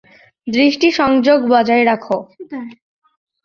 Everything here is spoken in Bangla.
দৃষ্টি সংযোগ বজায় রাখো।